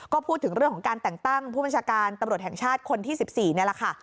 ก็พูดถึงเรื่องของการแต่งตั้งผู้บัญชาการตำรวจแห่งชาติคนที่๑๔นี่แหละค่ะ